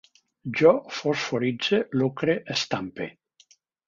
Jo fosforitze, lucre, estampe